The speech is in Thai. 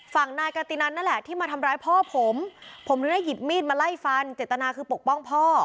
ฝั่งนายกะตินันนั่นแหละที่มาทำร้ายพ่อผมผมเลยได้หยิบมีดมาไล่ฟันเจตนาคือปกป้องพ่อ